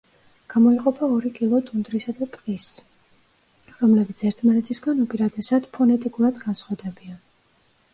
გამოიყოფა ორი კილო ტუნდრისა და ტყის, რომლებიც ერთმანეთისაგან უპირატესად ფონეტიკურად განსხვავდებიან.